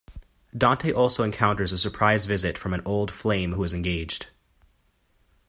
Dante also encounters a surprise visit from an old flame who is engaged.